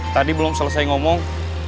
tadi belum selesai ngomong